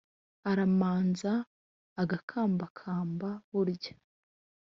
aramanza agakambakamba, burya